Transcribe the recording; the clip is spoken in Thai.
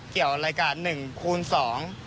เกี่ยวอะไรกับ๑คูณ๒